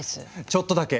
ちょっとだけ！